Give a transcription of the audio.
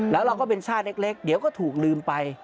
แล้วเราก็เป็นชาติเล็กเดี๋ยวก็ถูกลืมไป